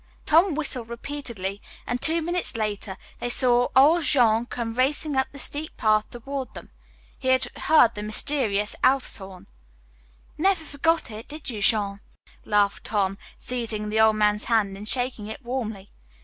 Tom whistled repeatedly, and two minutes later they saw old Jean come racing up the steep path toward them. He had heard the mysterious Elf's Horn. "Never forgot it, did you, Jean?" laughed Tom, seizing the old man's hand and shaking it warmly.